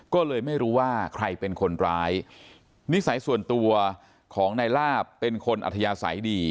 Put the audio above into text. ก็เลยไม่รู้ว่าใครเป็นคนร้ายนิสัยส่วนตัวของนายลาบเป็นคนอัธยาศัยดี